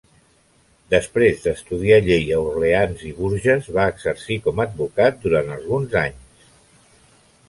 Després d'estudiar llei a Orleans i Bourges va exercir com a advocat, durant alguns anys.